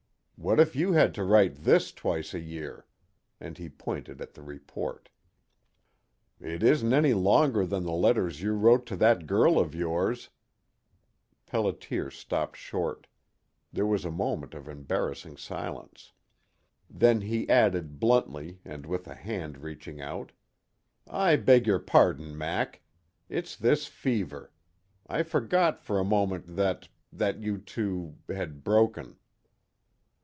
"What if you had to write this twice a year?" And he pointed at the report. "It isn't any longer than the letters you wrote to that girl of yours " Pelliter stopped short. There was a moment of embarrassing silence. Then he added, bluntly, and with a hand reaching out: "I beg your pardon, Mac. It's this fever. I forgot for a moment that that you two had broken."